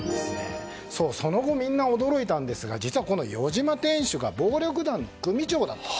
その後、みんな驚いたんですが実は余嶋店主が暴力団の組長だったと。